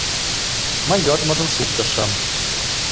Мый йодмыжым шуктышым.